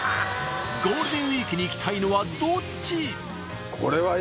ゴールデンウィークに行きたいのはどっち？